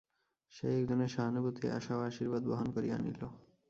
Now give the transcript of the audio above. সেই একজনের সহানুভূতিই আশা ও আশীর্বাদ বহন করিয়া আনিল।